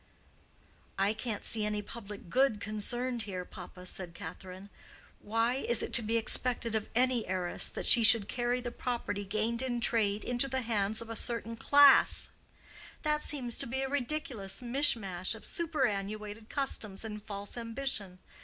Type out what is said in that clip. "I can't see any public good concerned here, papa," said Catherine. "Why is it to be expected of any heiress that she should carry the property gained in trade into the hands of a certain class? That seems to be a ridiculous mishmash of superannuated customs and false ambition.